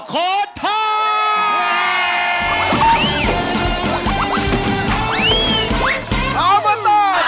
ขอท้าย